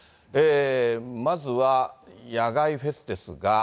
まずは野外フェスですが。